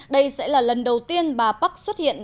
đây sẽ là lần đầu tiên bà bắc xuất hiện